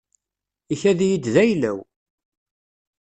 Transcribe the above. Ikad-iyi-d d ayla-w.